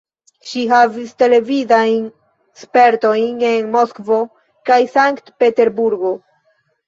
Ŝi havis televidajn spertojn en Moskvo kaj Sankt-Peterburgo.